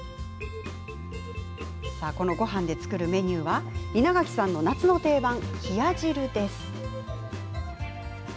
そのごはんで作るメニューは稲垣さんの夏の定番、冷や汁です。